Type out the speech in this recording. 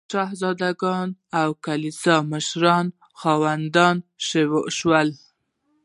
شهزاده ګان او کلیسا مشران هم خاوندان شول.